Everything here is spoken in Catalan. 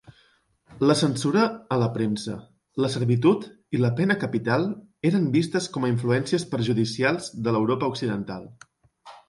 La censura a la premsa, la servitud i la pena capital eren vistes com a influències perjudicials de l'Europa occidental.